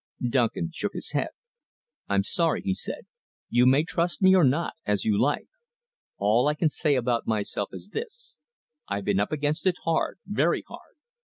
Duncan shook his head. "I'm sorry," he said. "You may trust me or not, as you like. All I can say about myself is this. I've been up against it hard very hard.